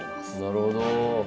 なるほど。